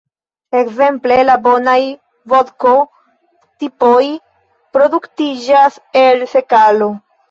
Ekzemple la bonaj vodko-tipoj produktiĝas el sekalo.